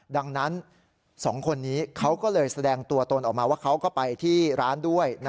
ดังนั้น๒คนนี้เขาก็เลยแสดงตัวตนออกมาว่าเขาก็ไปที่ร้านด้วย